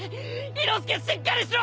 伊之助しっかりしろ！